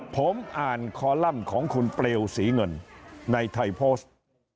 ผมอ่านคอลัมป์ของคุณเปลวศรีเงินในไทยโพสต์